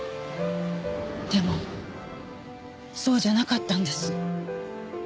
でもそうじゃなかったんです。